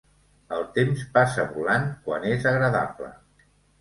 El temps passa volant quan és agradable.